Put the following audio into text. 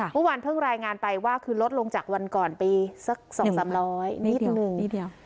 ค่ะวันเพิ่งรายงานไปว่าคือลดลงจากวันก่อนปีสักสองสามร้อยนิดหนึ่งนิดเดียว